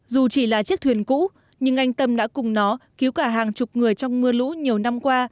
dù chỉ là chiếc thuyền cũ nhưng anh tâm đã cùng nó cứu cả hàng chục người trong mưa lũ nhiều năm qua